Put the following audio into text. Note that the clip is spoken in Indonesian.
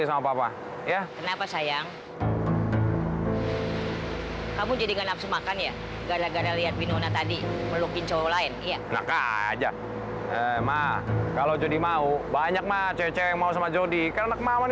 sampai jumpa di video selanjutnya